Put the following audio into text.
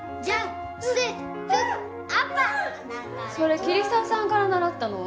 それ桐沢さんから習ったの？